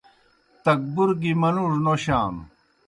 تکبُر گیْ منُوڙوْ نوشانوْ۔